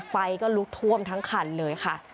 ไฟก็ลุกท่วมทั้งคันเลยค่ะ